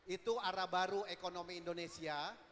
itu arah baru ekonomi indonesia